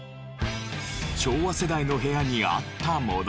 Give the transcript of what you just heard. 昭和世代の部屋にあったもの。